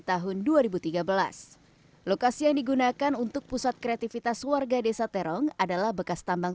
tahun dua ribu tiga belas lokasi yang digunakan untuk pusat kreativitas warga desa terong adalah bekas tambang